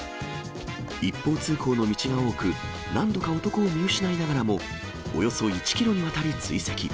一方通行の道が多く、何度か男を見失いながらも、およそ１キロにわたり追跡。